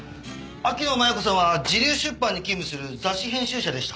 秋野繭子さんは時流出版に勤務する雑誌編集者でした。